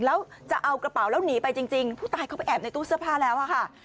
แล้วจะเอากระเป๋าแล้วหนีไปจริงผู้ตายเขาไปแอบในตู้เสื้อผ้าแล้วอะค่ะ